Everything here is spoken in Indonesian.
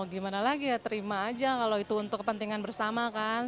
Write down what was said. gimana lagi ya terima aja kalau itu untuk kepentingan bersama kan